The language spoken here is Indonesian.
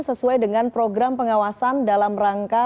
sesuai dengan program pengawasan dalam rangka